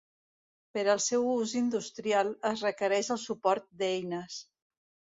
Per al seu ús industrial, es requereix el suport d'eines.